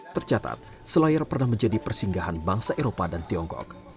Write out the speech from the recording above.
tercatat selayar pernah menjadi persinggahan bangsa eropa dan tiongkok